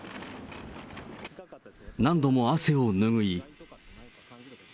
何度も汗を拭い。